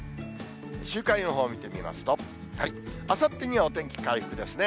週間予報を見てみますと、あさってにはお天気回復ですね。